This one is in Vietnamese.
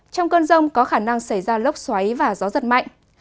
trong cơn rông có khả năng xảy ra lốc xoáy và gió giật mạnh